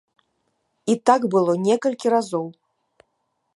І так было некалькі разоў.